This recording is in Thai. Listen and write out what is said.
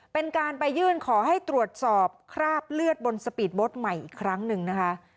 เป็นการไปยื่นขอให้ตรวจสอบคราบเลือดบนสปีดโบ๊ทใหม่อีกครั้งหนึ่งนะคะ